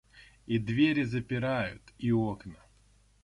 И двери запирают, и окна.